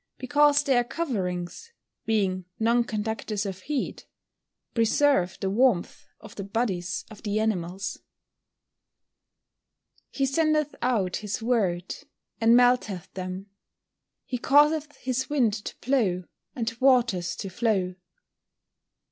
_ Because their coverings, being non conductors of heat, preserve the warmth of the bodies of the animals. [Verse: "He sendeth out his word, and melteth them: he causeth his wind to blow, and the waters to flow."